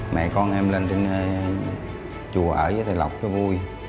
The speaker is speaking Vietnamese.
mẹ con em lên chùa ở với thầy lọc cho vui